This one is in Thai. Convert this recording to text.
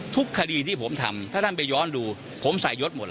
ทุกคดีที่ผมทำถ้าท่านไปย้อนดูผมใส่ยศหมด